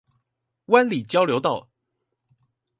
灣裡交流道